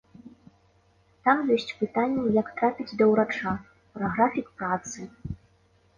Там ёсць пытанні, як трапіць да ўрача, пра графік працы.